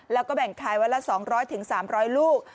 แล้วก็แบ่งคลายว่าละ๒๐๐ถึง๓๐๐ลูก